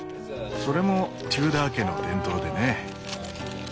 それもテューダー家の伝統でね。